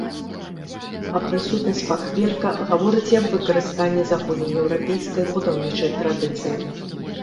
А прысутнасць фахверка гаворыць і аб выкарыстанні заходнееўрапейскай будаўнічай традыцыі.